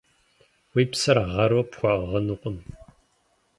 Уи псэр гъэру пхуэӏыгъынукъым.